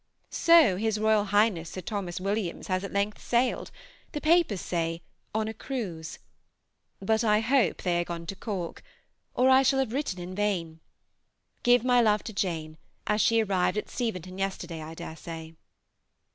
So His Royal Highness Sir Thomas Williams has at length sailed; the papers say "on a cruise." But I hope they are gone to Cork, or I shall have written in vain. Give my love to Jane, as she arrived at Steventon yesterday, I dare say.